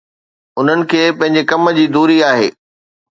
انهن کي پنهنجي ڪم جي دوري آهي.